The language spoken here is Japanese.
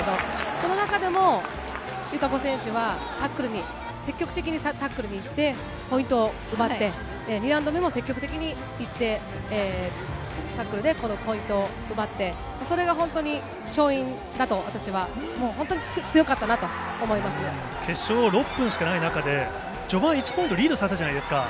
その中でも友香子選手はタックルに、積極的にタックルにいって、ポイントを奪って、２ラウンド目も積極的にいって、タックルでこのポイントを奪って、それが本当に勝因だと私は、決勝６分しかない中で、序盤１ポイントリードされたじゃないですか。